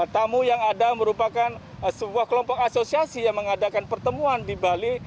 tamu yang ada merupakan sebuah kelompok asosiasi yang mengadakan pertemuan di bali